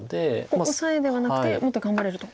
オサエではなくてもっと頑張れると。